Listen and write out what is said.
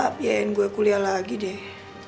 biarin gue kuliah lagi deh